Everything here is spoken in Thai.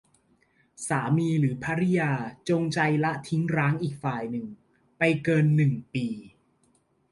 สามีหรือภริยาจงใจละทิ้งร้างอีกฝ่ายหนึ่งไปเกิน หนึ่ง ปี